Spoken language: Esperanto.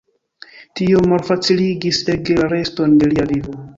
Tio malfaciligis ege la reston de lia vivo.